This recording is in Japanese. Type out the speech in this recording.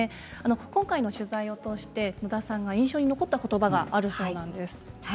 今回の取材を通して野田さんが印象に残ったことばがあるそうですね。